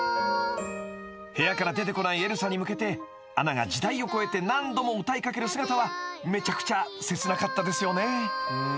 ［部屋から出てこないエルサに向けてアナが時代を超えて何度も歌いかける姿はめちゃくちゃ切なかったですよね］